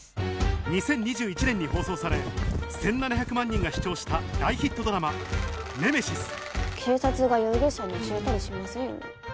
２０２１年に放送され１７００万人が視聴した大ヒットドラマ『ネメシス』警察が容疑者に教えたりしませんよね？